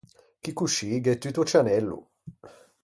Chì coscì gh’é tutto cianello.